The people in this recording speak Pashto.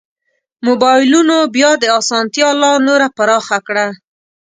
مبایلونو بیا دا اسانتیا لا نوره پراخه کړه.